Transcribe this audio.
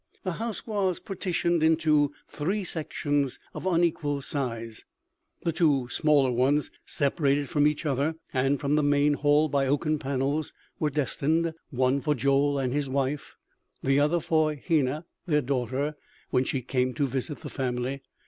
The house was partitioned into three sections of unequal size. The two smaller ones, separated from each other and from the main hall by oaken panels, were destined, one for Joel and his wife, the other for Hena, their daughter, when she came to visit the family.